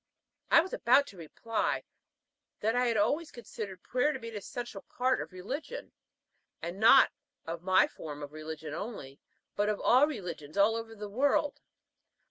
I was about to reply that I had always considered prayer to be an essential part of religion, and not of my form of religion only, but of all religions all over the world.